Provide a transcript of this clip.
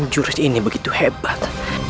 jurus ini begitu hebat